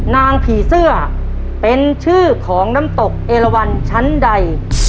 นางผีเสื้อเป็นชื่อของน้ำตกเอลวันชั้นใด